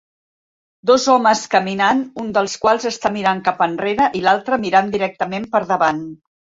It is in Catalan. Dos homes caminant un dels quals està mirant cap enrere i l'altre mirant directament per davant